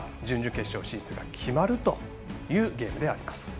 準々決勝進出が決まるというゲームであります。